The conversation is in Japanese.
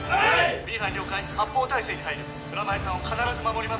Ｂ班了解発砲態勢に入る蔵前さんを必ず守ります